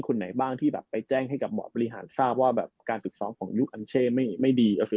คนไหนบ้างที่แบบไปนนกษัตริย์แจ้งให้กับหมอบริหารทราบว่าการศึกซ้อมของยุคอัลเช่ไม่ดี